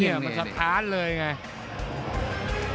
นี่มันสถานเลยไง